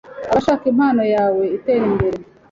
abashaka impano yawe itera imbere